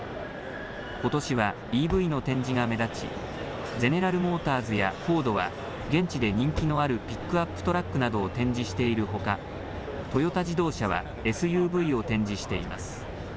ことしはＥＶの展示が目立ち、ゼネラル・モーターズやフォードは現地で人気のあるピックアップトラックなどを展示しているほか、トヨタ自動車はＳＵＶを展示しています。